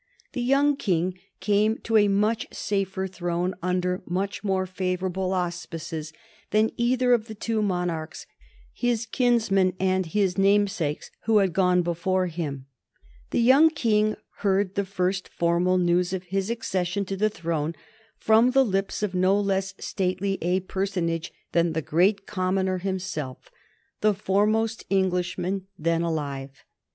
The young King came to a much safer throne under much more favorable auspices than either of the two monarchs, his kinsmen and his namesakes, who had gone before him. [Sidenote: 1760 Accession of George the Third] The young King heard the first formal news of his accession to the throne from the lips of no less stately a personage than the Great Commoner himself the foremost Englishman then alive.